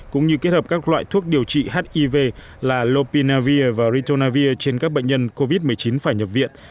cũng như kết hợp các loại thuốc điều trị hiv là lopinavir và ritonavir trên các bệnh nhân covid một mươi chín phải nhập viện